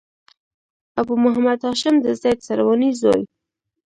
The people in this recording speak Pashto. ابو محمد هاشم د زيد سرواني زوی.